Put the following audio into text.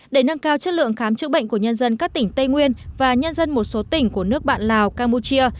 để nâng cao chất lượng khám chữa bệnh của nhân dân các tỉnh tây nguyên và nhân dân một số tỉnh của nước bạn lào campuchia